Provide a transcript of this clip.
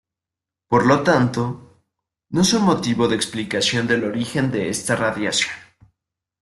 Por lo tanto, no son motivo de explicación del origen de esta radiación.